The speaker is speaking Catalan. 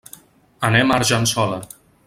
Anem a Argençola.